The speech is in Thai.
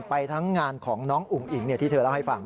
ไปทั้งงานของน้องอุ๋งอิ๋งที่เธอเล่าให้ฟัง